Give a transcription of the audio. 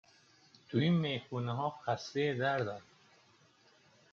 تو این میخونهها خسته دردم